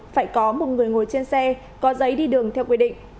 phải có một người ngồi trên xe có giấy đi đường theo quy định